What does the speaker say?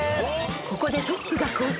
［ここでトップが交代］